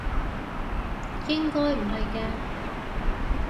應該唔係嘅